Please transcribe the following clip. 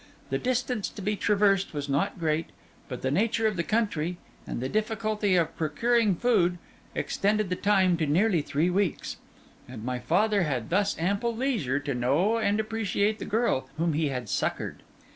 The distance to be traversed was not great; but the nature of the country, and the difficulty of procuring food, extended the time to nearly three weeks; and my father had thus ample leisure to know and appreciate the girl whom he had succoured.